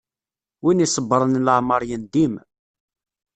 Win isebṛen leεmeṛ yendim.